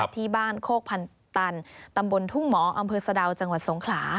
ที่บ้านโคกพันตันตำบลทุ่งหมออำเภอสะดาวจังหวัดสงขลา